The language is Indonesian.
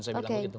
saya bilang begitu